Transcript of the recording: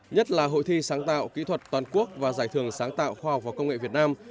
nhất là hội thi sáng tạo kỹ thuật toàn quốc và giải thưởng sáng tạo khoa học và công nghệ việt nam